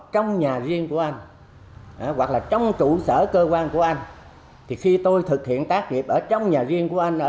các bảo vệ xuất hiện và có hành vi càn trở